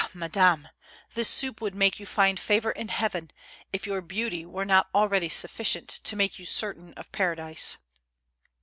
madame, this soup would make you find favor in Heaven, if your beauty were not already sufficient to make you certain of Paradise